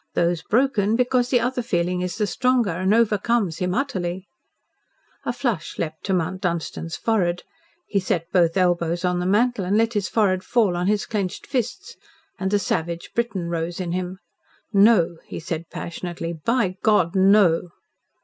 Those broken because the other feeling is the stronger and overcomes him utterly." A flush leaped to Mount Dunstan's forehead. He set both elbows on the mantel and let his forehead fall on his clenched fists. And the savage Briton rose in him. "No!" he said passionately. "By God, no!"